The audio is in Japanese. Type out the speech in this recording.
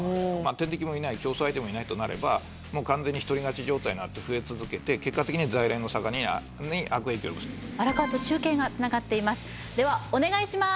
天敵もいない競争相手もいないとなればもう完全に一人勝ち状態になって増え続けて結果的には在来の魚に悪影響を及ぼすと荒川と中継がつながっていますではお願いします